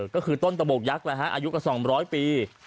ก็คือต้นตะโบกยักษ์อายุกว่า๒๐๐ปี